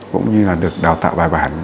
cũng như là được đào tạo bài bản